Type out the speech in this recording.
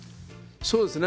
そうですね。